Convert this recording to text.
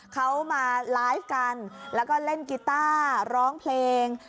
เขามาไลฟ์กันแล้วก็เล่นกีต้าร้องเพลง